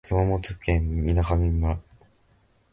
熊本県水上村